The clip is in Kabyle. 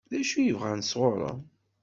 D acu i bɣan sɣur-m?